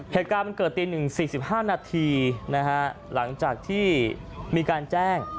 เหตุการณ์มันเกิดตี๑๔๕นาทีนะฮะหลังจากที่มีการแจ้ง